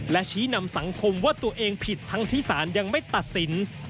และชี้นำสังคมว่าตัวเองผิดทั้งที่สารยังไม่ตัดสิน